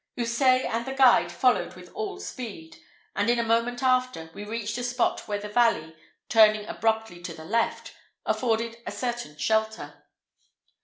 Houssaye and the guide followed with all speed; and, in a moment after, we reached a spot where the valley, turning abruptly to the left, afforded a certain shelter.